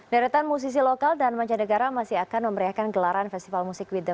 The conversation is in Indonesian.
kafka musisi lokal dan majette garam masih akan memberikan gelaran festival musik with the